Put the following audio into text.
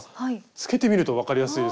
つけてみると分かりやすいですよね。